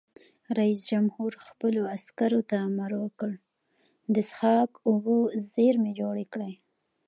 رئیس جمهور خپلو عسکرو ته امر وکړ؛ د څښاک اوبو زیرمې جوړې کړئ!